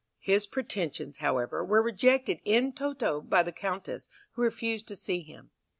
His pretensions, however, were rejected in toto by the Countess, who refused to see him.